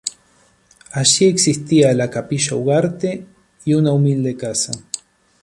Allí existía la Capilla Ugarte y una humilde casa.